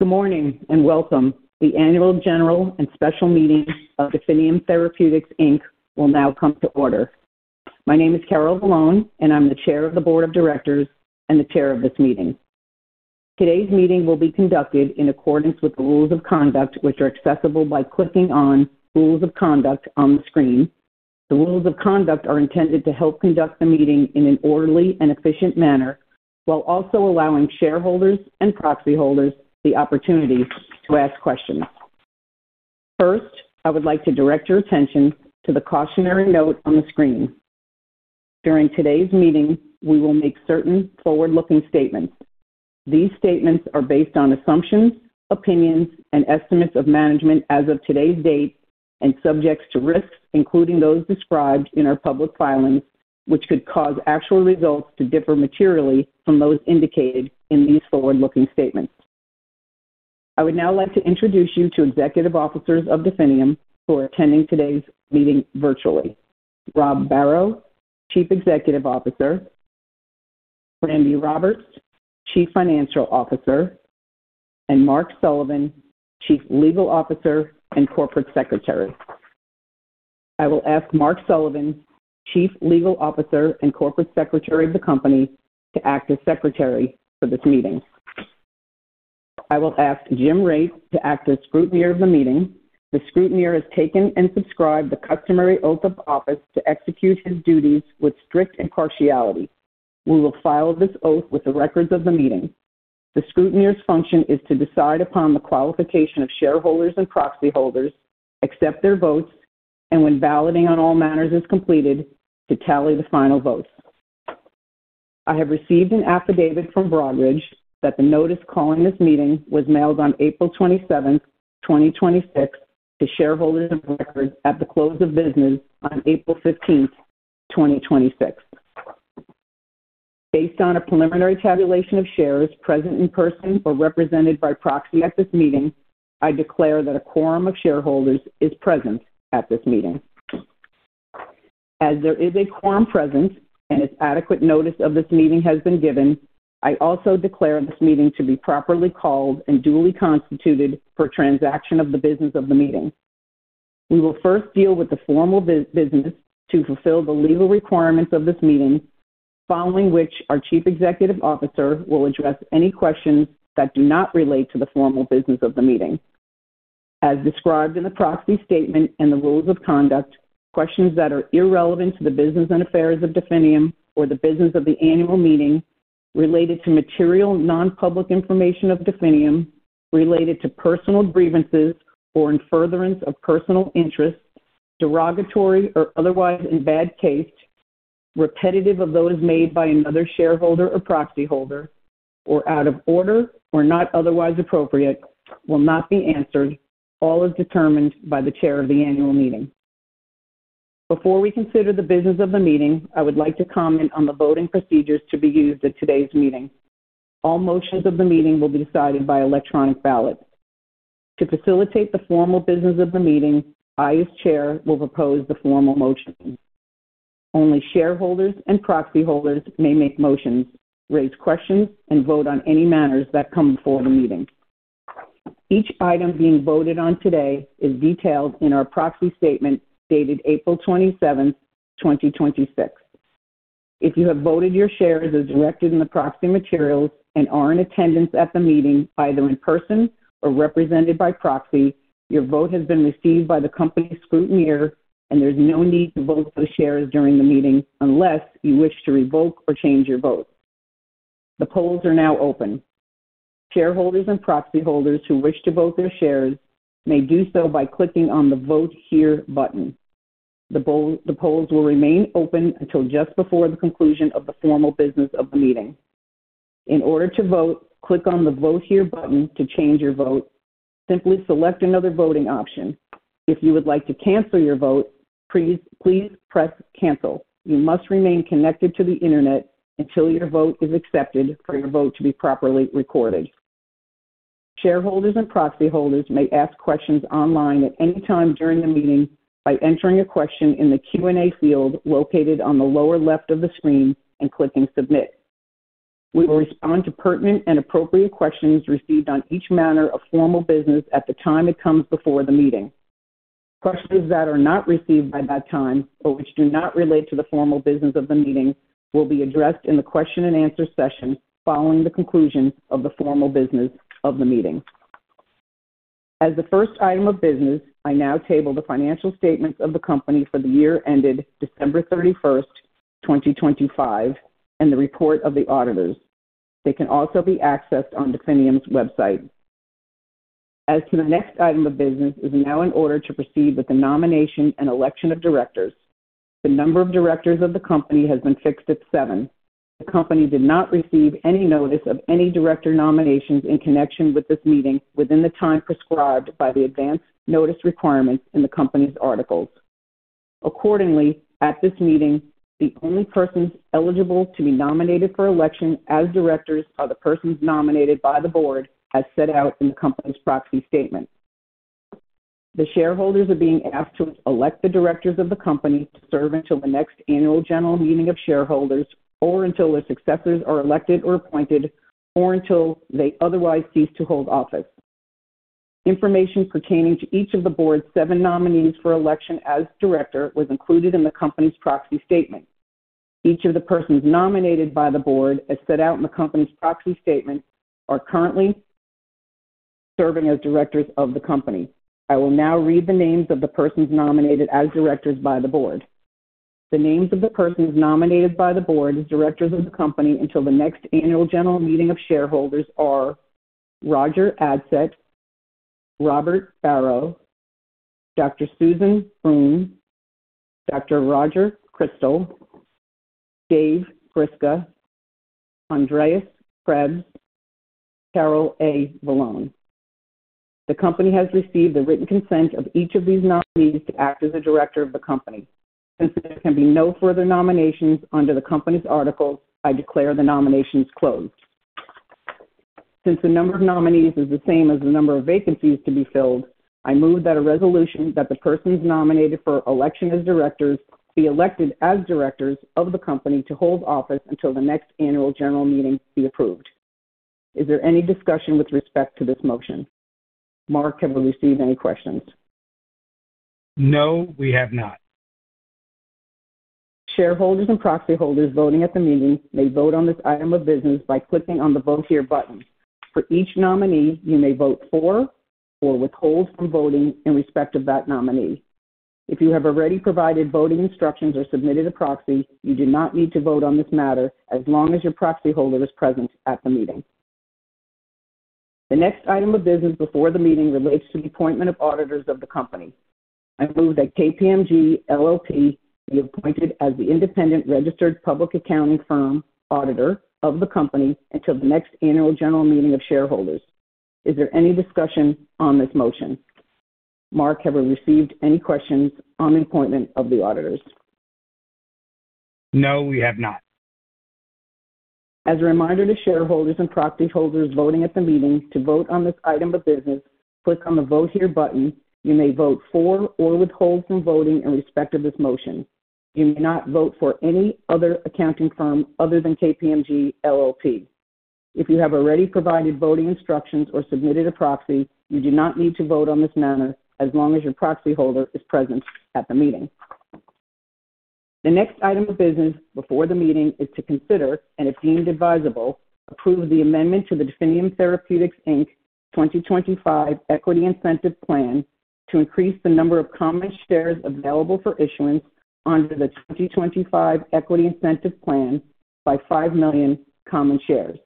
Good morning and welcome. The annual general and special meeting of Definium Therapeutics Inc. will now come to order. My name is Carol Vallone, and I'm the Chair of the Board of Directors and the chair of this meeting. Today's meeting will be conducted in accordance with the Rules of Conduct, which are accessible by clicking on Rules of Conduct on the screen. The rules of conduct are intended to help conduct the meeting in an orderly and efficient manner, while also allowing shareholders and proxy holders the opportunity to ask questions. First, I would like to direct your attention to the cautionary note on the screen. During today's meeting, we will make certain forward-looking statements. These statements are based on assumptions, opinions, and estimates of management as of today's date and subjects to risks, including those described in our public filings, which could cause actual results to differ materially from those indicated in these forward-looking statements. I would now like to introduce you to executive officers of Definium who are attending today's meeting virtually. Rob Barrow, Chief Executive Officer, Brandi Roberts, Chief Financial Officer, and Mark Sullivan, Chief Legal Officer and Corporate Secretary. I will ask Mark Sullivan, Chief Legal Officer and Corporate Secretary of the company, to act as secretary for this meeting. I will ask Jim Race to act as scrutineer of the meeting. The scrutineer has taken and subscribed the customary oath of office to execute his duties with strict impartiality. We will file this oath with the records of the meeting. The scrutineer's function is to decide upon the qualification of shareholders and proxy holders, accept their votes, and when balloting on all matters is completed, to tally the final votes. I have received an affidavit from Broadridge that the notice calling this meeting was mailed on April 27th, 2026, to shareholders of record at the close of business on April 15th, 2026. Based on a preliminary tabulation of shares present in person or represented by proxy at this meeting, I declare that a quorum of shareholders is present at this meeting. As there is a quorum present and as adequate notice of this meeting has been given, I also declare this meeting to be properly called and duly constituted for transaction of the business of the meeting. We will first deal with the formal business to fulfill the legal requirements of this meeting, following which our chief executive officer will address any questions that do not relate to the formal business of the meeting. As described in the proxy statement and the rules of conduct, questions that are irrelevant to the business and affairs of Definium or the business of the annual meeting related to material non-public information of Definium, related to personal grievances, or in furtherance of personal interests, derogatory or otherwise in bad taste, repetitive of those made by another shareholder or proxy holder, or out of order, or not otherwise appropriate, will not be answered, all as determined by the chair of the annual meeting. Before we consider the business of the meeting, I would like to comment on the voting procedures to be used at today's meeting. All motions of the meeting will be decided by electronic ballot. To facilitate the formal business of the meeting, I, as chair, will propose the formal motion. Only shareholders and proxy holders may make motions, raise questions, and vote on any matters that come before the meeting. Each item being voted on today is detailed in our proxy statement dated April 27th, 2026. If you have voted your shares as directed in the proxy materials and are in attendance at the meeting, either in person or represented by proxy, your vote has been received by the company scrutineer and there's no need to vote for shares during the meeting unless you wish to revoke or change your vote. The polls are now open. Shareholders and proxy holders who wish to vote their shares may do so by clicking on the Vote Here button. The polls will remain open until just before the conclusion of the formal business of the meeting. In order to vote, click on the Vote Here button. To change your vote, simply select another voting option. If you would like to cancel your vote, please press Cancel. You must remain connected to the internet until your vote is accepted for your vote to be properly recorded. Shareholders and proxy holders may ask questions online at any time during the meeting by entering a question in the Q&A field located on the lower left of the screen and clicking Submit. We will respond to pertinent and appropriate questions received on each matter of formal business at the time it comes before the meeting. Questions that are not received by that time or which do not relate to the formal business of the meeting will be addressed in the question and answer session following the conclusion of the formal business of the meeting. As the first item of business, I now table the financial statements of the company for the year ended December 31st, 2025, and the report of the auditors. They can also be accessed on Definium's website. As to the next item of business, it is now in order to proceed with the nomination and election of directors. The number of directors of the company has been fixed at seven. The company did not receive any notice of any director nominations in connection with this meeting within the time prescribed by the advance notice requirements in the company's articles. Accordingly, at this meeting, the only persons eligible to be nominated for election as directors are the persons nominated by the board as set out in the company's proxy statement. The shareholders are being asked to elect the directors of the company to serve until the next annual general meeting of shareholders, or until their successors are elected or appointed, or until they otherwise cease to hold office. Information pertaining to each of the board's seven nominees for election as director was included in the company's proxy statement. Each of the persons nominated by the board, as set out in the company's proxy statement, are currently serving as directors of the company. I will now read the names of the persons nominated as directors by the board. The names of the persons nominated by the board as directors of the company until the next annual general meeting of shareholders are Roger Adsett, Robert Barrow, Dr. Suzanne Bruhn, Dr. Roger Crystal, David Gryska, Andreas Krebs, Carol A. Vallone. The company has received the written consent of each of these nominees to act as a director of the company. Since there can be no further nominations under the company's articles, I declare the nominations closed. Since the number of nominees is the same as the number of vacancies to be filled, I move that a resolution that the persons nominated for election as directors be elected as directors of the company to hold office until the next annual general meeting be approved. Is there any discussion with respect to this motion? Mark, have we received any questions? No, we have not. Shareholders and proxy holders voting at the meeting may vote on this item of business by clicking on the Vote Here button. For each nominee, you may vote for or withhold from voting in respect of that nominee. If you have already provided voting instructions or submitted a proxy, you do not need to vote on this matter as long as your proxy holder is present at the meeting. The next item of business before the meeting relates to the appointment of auditors of the company. I move that KPMG LLP be appointed as the independent registered public accounting firm auditor of the company until the next annual general meeting of shareholders. Is there any discussion on this motion? Mark, have we received any questions on the appointment of the auditors? No, we have not. As a reminder to shareholders and proxy holders voting at the meeting to vote on this item of business, click on the Vote Here button. You may vote for or withhold from voting in respect of this motion. You may not vote for any other accounting firm other than KPMG LLP. If you have already provided voting instructions or submitted a proxy, you do not need to vote on this matter as long as your proxy holder is present at the meeting. The next item of business before the meeting is to consider, and if deemed advisable, approve the amendment to the Definium Therapeutics Inc. 2025 Equity Incentive Plan to increase the number of common shares available for issuance under the 2025 Equity Incentive Plan by 5 million common shares.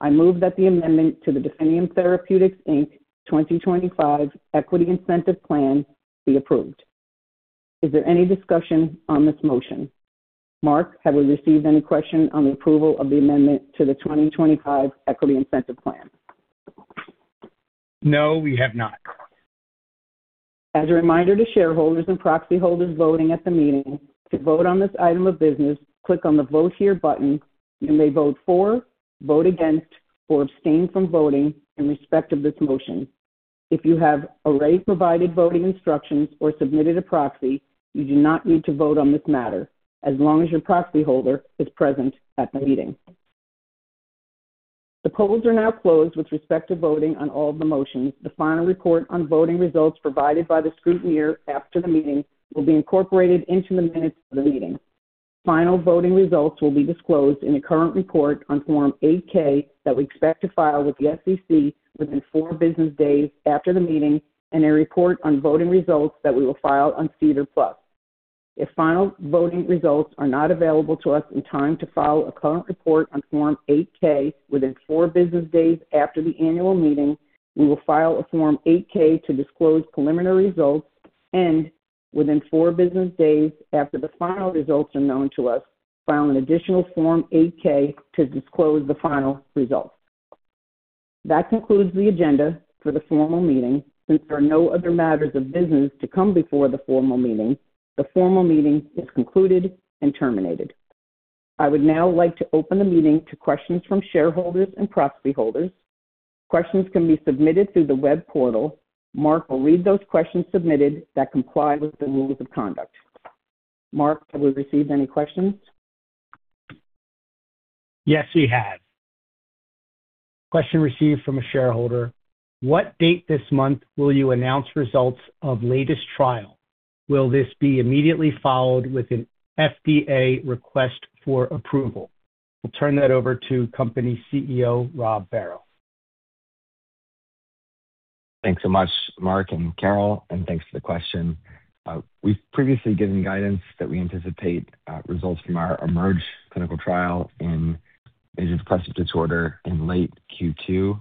I move that the amendment to the Definium Therapeutics Inc. 2025 Equity Incentive Plan be approved. Is there any discussion on this motion? Mark, have we received any question on the approval of the amendment to the 2025 Equity Incentive Plan? No, we have not. As a reminder to shareholders and proxy holders voting at the meeting, to vote on this item of business, click on the Vote Here button. You may vote for, vote against, or abstain from voting in respect of this motion. If you have already provided voting instructions or submitted a proxy, you do not need to vote on this matter as long as your proxy holder is present at the meeting. The polls are now closed with respect to voting on all of the motions. The final report on voting results provided by the scrutineer after the meeting will be incorporated into the minutes of the meeting. Final voting results will be disclosed in a current report on Form 8-K that we expect to file with the SEC within four business days after the meeting and a report on voting results that we will file on SEDAR+. If final voting results are not available to us in time to file a current report on Form 8-K within four business days after the annual meeting, we will file a Form 8-K to disclose preliminary results and within four business days after the final results are known to us, file an additional Form 8-K to disclose the final results. That concludes the agenda for the formal meeting. Since there are no other matters of business to come before the formal meeting, the formal meeting is concluded and terminated. I would now like to open the meeting to questions from shareholders and proxy holders. Questions can be submitted through the web portal. Mark will read those questions submitted that comply with the rules of conduct. Mark, have we received any questions? Yes, we have. Question received from a shareholder: What date this month will you announce results of latest trial? Will this be immediately followed with an FDA request for approval? We'll turn that over to company CEO Rob Barrow. Thanks so much, Mark and Carol, and thanks for the question. We've previously given guidance that we anticipate results from our EMERGE clinical trial in major depressive Disorder in late Q2.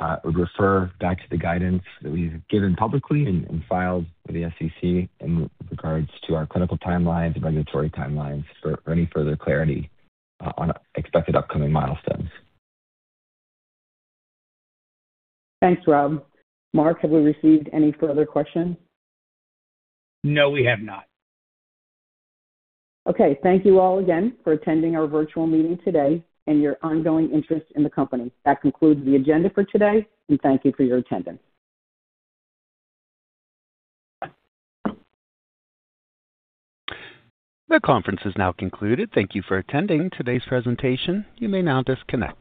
I would refer back to the guidance that we've given publicly and filed with the SEC in regards to our clinical timelines and regulatory timelines for any further clarity on expected upcoming milestones. Thanks, Rob. Mark, have we received any further questions? No, we have not. Okay. Thank you all again for attending our virtual meeting today and your ongoing interest in the company. That concludes the agenda for today, and thank you for your attendance. The conference is now concluded. Thank you for attending today's presentation. You may now disconnect.